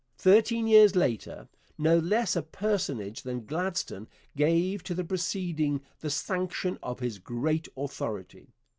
Thirteen years later, no less a personage than Gladstone gave to the proceeding the sanction of his great authority.